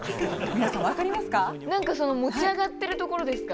皆さん分かりますか？